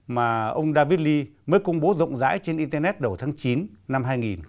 mà ông david lee mới công bố rộng rãi trên internet đầu tháng chín năm hai nghìn một mươi chín